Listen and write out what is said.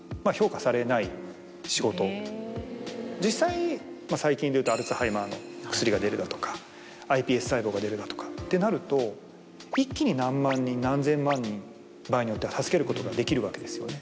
実際最近でいうとアルツハイマーの薬が出るだとかｉＰＳ細胞が出るだとかってなると一気に何万人何千万人場合によっては助けることができるわけですよね。